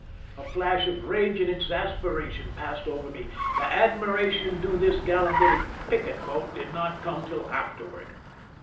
A flash of rage and exasperation passed over me. The ad miration due this gallant little picket boat did not come till afterward.